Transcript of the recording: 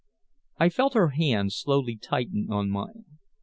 I felt her hand slowly tighten on mine.